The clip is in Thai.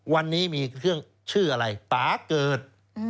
วันนี้มีเครื่องชื่ออะไรป่าเกิด